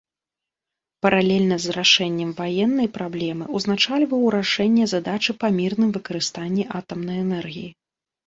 Паралельна з рашэннем ваеннай праблемы узначальваў рашэнне задачы па мірным выкарыстанні атамнай энергіі.